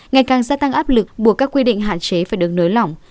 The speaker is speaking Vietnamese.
ngày càng gia tăng áp lực buộc các quy định hạn chế phải được nới lỏng